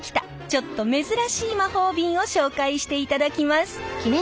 ちょっと珍しい魔法瓶を紹介していただきます。